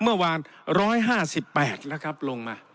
เหลือ๑๕๘บาท